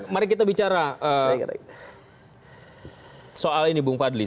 mari kita bicara soal ini bung fadli